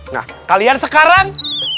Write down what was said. nah kalian sekarang